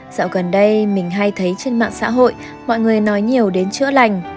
dạo gần đây mình hay thấy trên mạng xã hội mọi người nói nhiều đến chữa lành